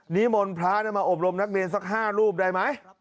นิมนต์พระมาอบรมนักเรียนสัก๕รูปได้ไหม